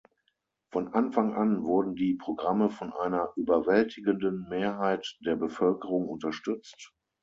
Von Anfang an wurden die Programme von einer überwältigenden Mehrheit der Bevölkerung unterstützt.